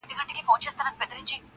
مُريد ښه دی ملگرو او که پير ښه دی.